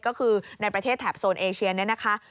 ก็คือในประเทศแถบโซนเอเชียนนะครับ